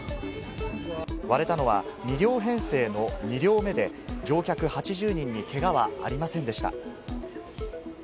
割れたのは２両編成の２両目で乗客８０人にけがはありませんでした。